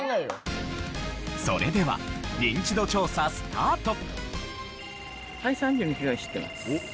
それではニンチド調査スタート。